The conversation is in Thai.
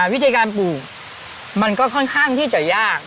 วิธีการปลูกมันก็ค่อนข้างที่จะยาก